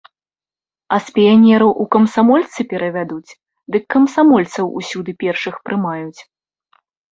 А з піянераў у камсамольцы перавядуць, дык камсамольцаў усюды першых прымаюць.